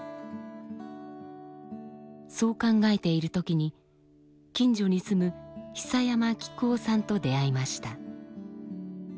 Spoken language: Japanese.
そう考えている時に近所に住む久山喜久雄さんと出会いました。